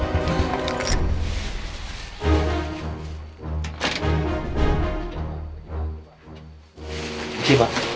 terima kasih pak